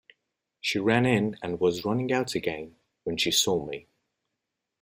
She ran in, and was running out again when she saw me.